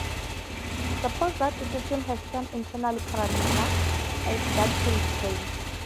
Suppose that the system has some external parameter, x, that can be changed.